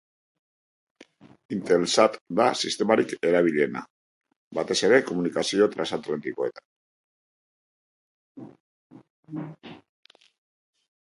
INTELSAT da sistemarik erabiliena, batez ere komunikazio transatlantikoetan.